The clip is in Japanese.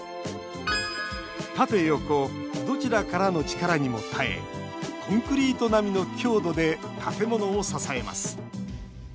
縦横どちらの力にも耐えコンクリート並みの強度で建物を支えます。